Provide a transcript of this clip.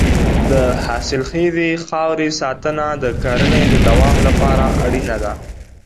د حاصلخیزې خاورې ساتنه د کرنې د دوام لپاره اړینه ده.